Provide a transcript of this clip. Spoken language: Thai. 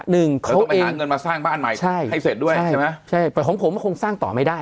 เขาต้องไปหาเงินมาสร้างบ้านใหม่ใช่ให้เสร็จด้วยใช่ไหมใช่แต่ของผมมันคงสร้างต่อไม่ได้